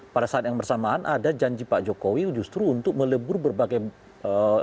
pada saat yang bersamaan ada janji pak jokowi justru untuk melebur berbagai apa ya semuanya itu